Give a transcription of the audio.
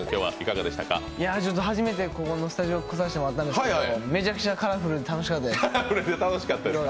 初めてこのスタジオに来させてもらったんですけど、めちゃくちゃカラフルで楽しかったです。